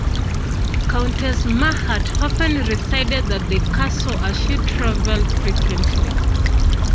Countess Mahaut often resided at the castle as she traveled frequently.